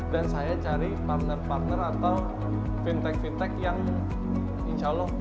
dan saya cari partner partner atau fintech fintech yang insya allah